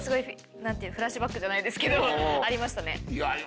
フラッシュバックじゃないですけど。ありましたね。